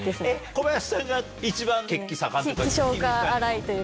小林さんが一番血気盛んというか？